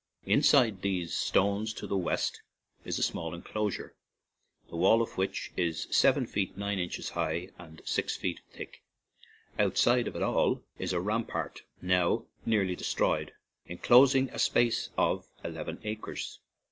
In side these stones, to the west, is a small no ARAN ISLANDS enclosure, the wall of which is seven feet nine inches high and six feet thick. Out side of it all is a rampart, now nearly de stroyed, enclosing a space of eleven acres.